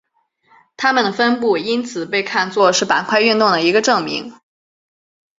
它们的分布因此被看作是板块运动的一个证明。